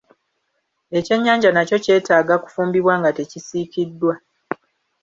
Ekyennyanja nakyo kyetaaga kufumbibwa nga tekisiikiddwa.